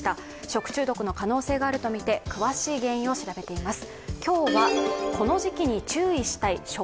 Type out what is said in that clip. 食中毒の可能性があるとみて、詳しい原因を調べています。